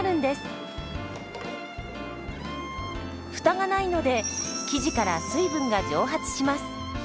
フタがないので生地から水分が蒸発します。